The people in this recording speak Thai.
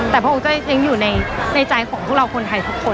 แต่พระองค์ก็ยังอยู่ในใจของพวกเราคนไทยทุกคน